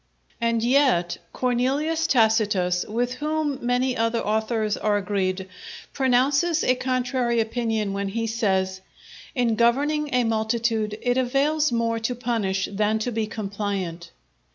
And yet Cornelius Tacitus, with whom many other authors are agreed, pronounces a contrary opinion where he says, "_In governing a multitude it avails more to punish than to be compliant.